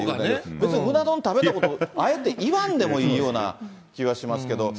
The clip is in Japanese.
別にうな丼食べたことをあえて言わんでもいいような気がしますけど。